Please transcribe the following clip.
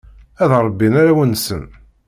Ad rebbin arraw-nsen.